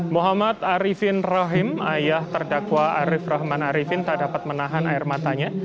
muhammad arifin rahim ayah terdakwa arif rahman arifin tak dapat menahan air matanya